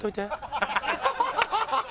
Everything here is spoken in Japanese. ハハハハハ！